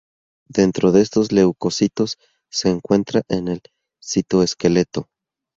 Dentro de estos leucocitos, se encuentra en el citoesqueleto.